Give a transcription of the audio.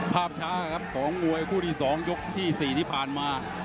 ภาพช้าครับของมวยคู่ที่๒ยกที่๔ที่ผ่านมา